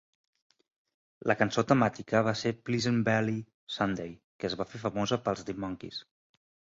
La cançó temàtica va ser Pleasant Valley Sunday, que es va fer famosa pels The Monkees.